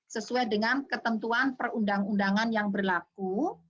sesuai dengan ketentuan perundang undangan yang berlaku